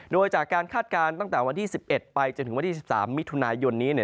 โดยจากการคาดการณ์ตั้งแต่วันที่๑๑ไปจนถึงวันที่๑๓มิถุนายนนี้